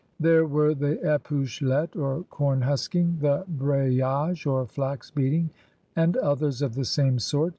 There were the Sjmcklette or corn husking, the bray age or flax beating, and others of the same sort.